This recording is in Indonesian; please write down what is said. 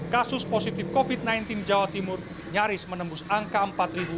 kasus positif covid sembilan belas jawa timur nyaris menembus angka empat ratus